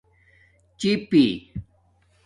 چِیپی